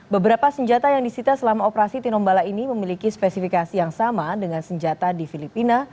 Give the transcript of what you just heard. beberapa senjata yang disita selama operasi tinombala ini memiliki spesifikasi yang sama dengan senjata di filipina